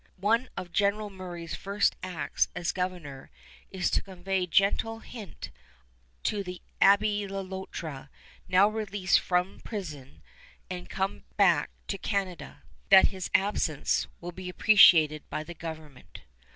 One of General Murray's first acts as governor is to convey gentle hint to the Abbé Le Loutre, now released from prison and come back to Canada, that his absence will be appreciated by the government.